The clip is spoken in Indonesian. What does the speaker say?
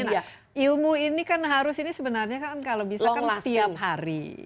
dan biasanya ilmu ini kan harus ini sebenarnya kan kalau bisa kan tiap hari